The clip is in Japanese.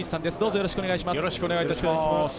よろしくお願いします。